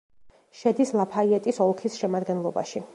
შედის ლაფაიეტის ოლქის შემადგენლობაში.